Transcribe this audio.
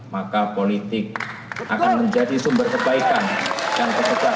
maka politik akan menjadi sumber kebaikan